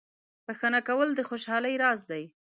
• بخښنه کول د خوشحالۍ راز دی.